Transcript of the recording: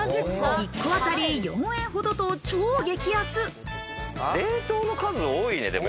１個あたり４円ほどと超激安。